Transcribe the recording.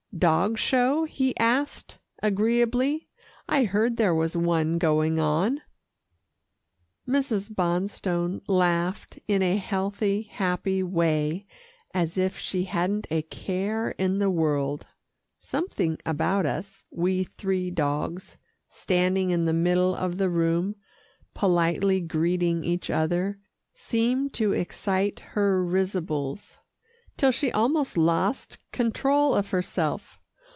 "Dog show?" he asked agreeably. "I heard there was one going on." Mrs. Bonstone laughed in a healthy, happy way, as if she hadn't a care in the world. Something about us we three dogs standing in the middle of the room, politely greeting each other, seemed to excite her risibles, till she almost lost control of herself.